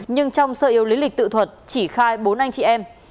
nhưng trong sơ yêu lý lịch tự thuật chỉ khai bốn anh chị em